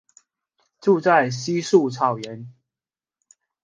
住在稀树草原。